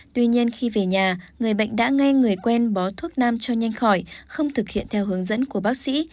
tuy nhiên khi về nhà người bệnh đã nghe người quen bó thuốc nam cho nhanh khỏi không thực hiện theo hướng dẫn của bác sĩ